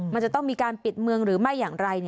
มันจะต้องมีการปิดเมืองหรือไม่อย่างไร